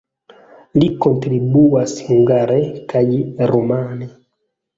Li kontribuas hungare kaj rumane.